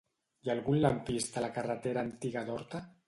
Hi ha algun lampista a la carretera Antiga d'Horta?